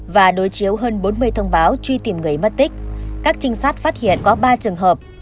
và đối chiếu hơn bốn mươi thông báo truy tìm người mất tích các trinh sát phát hiện có ba trường hợp